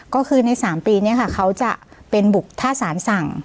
ก็คือใน๓ปีนี้ค่ะเขาจะเป็นบุกถ้าสารสั่ง